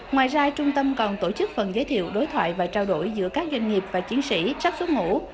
ngoài ra trung tâm còn tổ chức phần giới thiệu đối thoại và trao đổi giữa các doanh nghiệp và chiến sĩ sắp xuất ngũ